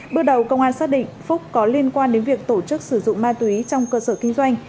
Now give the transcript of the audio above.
bước đầu công an xác định phúc có liên quan đến việc tổ chức sử dụng ma túy trong cơ sở kinh doanh